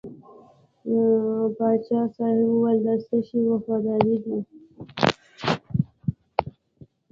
پاچا صاحب وویل د څه شي وفاداره دی.